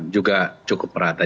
juga cukup merata